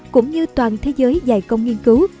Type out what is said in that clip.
cũng như toàn thế giới dạy công nghiên cứu